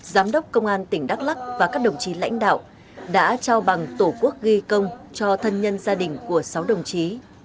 giám đốc công an tỉnh đắk lắc và các đồng chí lãnh đạo đã trao bằng tổ quốc ghi công cho thân nhân gia đình của sáu đồng chí